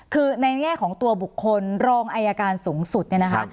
คือในแง่ของตัวบุคคลรองอายการสูงสุดเนี่ยนะคะ